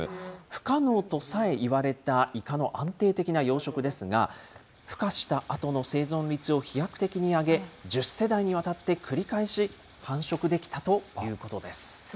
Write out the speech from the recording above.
不可能とさえいわれたイカの安定的な養殖ですが、ふ化したあとの生存率を飛躍的に上げ、１０世代にわたって繰り返し繁殖できたということです。